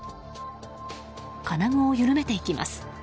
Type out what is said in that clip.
金具を緩めていきます。